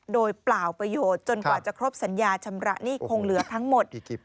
โดยเปล่าประโยชน์จนกว่าจะครบสัญญาชำระหนี้คงเหลือทั้งหมด